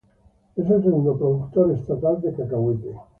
Es el segundo productor estatal de cacahuate.